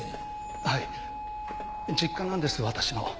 はい。実家なんです私の。